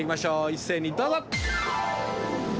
一斉にどうぞ！